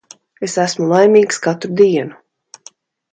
Es esmu laimīgs katru dienu.